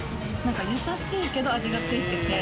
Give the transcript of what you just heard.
優しいけど味が付いてて。